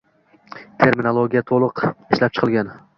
terminologiya to‘liq ishlab chiqilgan